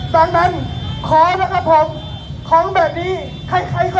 ดังนั้นขอนะครับผมของแบบนี้ค่อยก็อยากมี